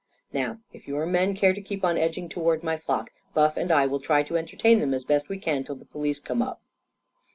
Now, if your men care to keep on edging toward my flock, Buff and I will try to entertain them as best we can till the police come up."